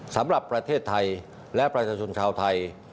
สำหรับประเทศไทยและประชาชนชาวไทย